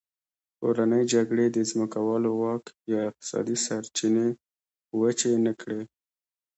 کورنۍ جګړې د ځمکوالو واک یا اقتصادي سرچینې وچې نه کړې.